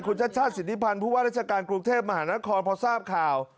คุณชาติชาติสิทธิพันธ์ผู้ว่าราชการกรุงเทพมหานครพอทราบข่าว